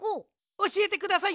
おしえてください